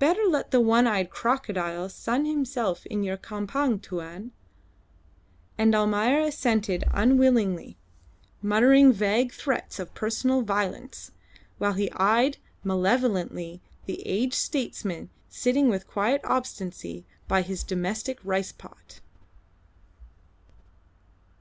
Better let the one eyed crocodile sun himself in your campong, Tuan." And Almayer assented unwillingly muttering vague threats of personal violence, while he eyed malevolently the aged statesman sitting with quiet obstinacy by his domestic rice pot.